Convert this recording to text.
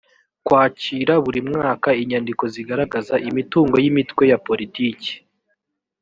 kwakira buri mwaka inyandiko zigaragaza imitungo y’imitwe ya politiki